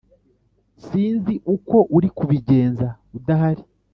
sinzi uko ari kubigenza udahari